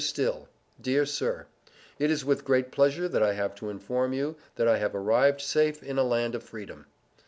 STILL DEAR SIR: It is with great pleasure that I have to inform you, that I have arrived safe in a land of freedom.